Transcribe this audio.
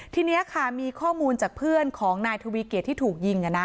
ทีนี้ค่ะมีข้อมูลจากเพื่อนของนายทวีเกียจที่ถูกยิง